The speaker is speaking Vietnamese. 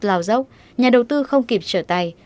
lào dốc nhà đầu tư không kịp trở tay